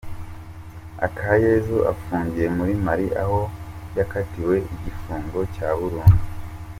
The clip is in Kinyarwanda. Akayezu afungiye muri Mali aho yakatiwe igifungo cya burundu.